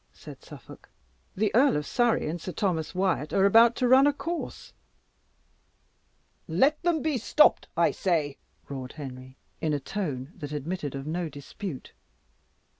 said Suffolk. "The Earl of Surrey and Sir Thomas Wyat are about to run a course." "Let them he stopped I say!" roared Henry, in a tone that admitted of no dispute.